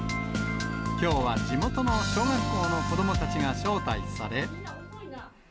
きょうは地元の小学校の子どもたちが招待され。